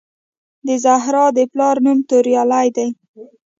د زهرا د پلار نوم توریالی دی